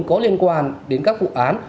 có liên quan đến các vụ án